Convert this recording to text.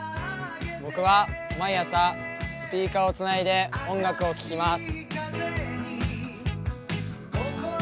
僕は毎朝、スピーカーをつないで音楽を聴きます。